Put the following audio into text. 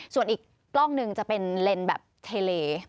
ส่วนอีกกล้องหนึ่งจะเป็นเลนส์แบบเทเล